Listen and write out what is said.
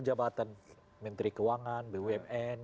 jabatan menteri keuangan bumn